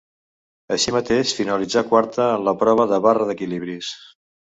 Així mateix finalitzà quarta en la prova de barra d'equilibris.